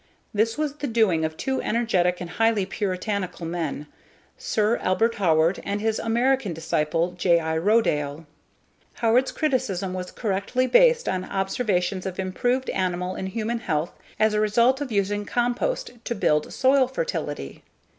This was the doing of two energetic and highly puritanical men: Sir Albert Howard and his American disciple, J.I. Rodale. Howard's criticism was correctly based on observations of improved animal and human health as a result of using compost to build soil fertility.